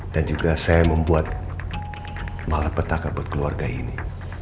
dan juga saya membuat malapetaka buat keluarga ini